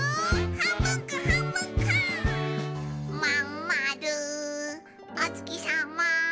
「まんまるおつきさま」